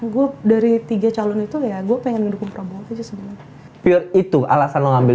gue dari tiga calon itu ya gue pengen mendukung prabowo aja sebenarnya itu alasan mau ngambil